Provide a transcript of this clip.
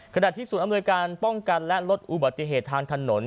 ขณะที่ศูนย์อำนวยการป้องกันและลดอุบัติเหตุทางถนน